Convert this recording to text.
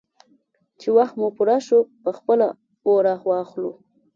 _چې وخت مو پوره شو، په خپله اور اخلو.